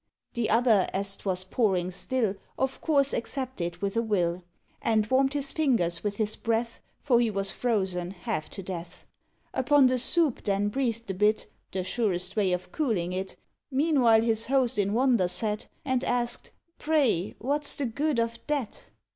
The other, as 'twas pouring still, Of course, accepted with a will: And warmed his fingers with his breath, For he was frozen half to death: Upon the soup then breathed a bit (The surest way of cooling it); Meanwhile, his host in wonder sat, And asked, "Pray, what's the good of that?"